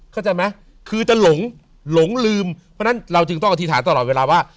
เข้าใจไหมคือจะหลงหลงลืมเพราะฉะนั้นเราจึงต้องอธิษฐานตลอดเวลาว่า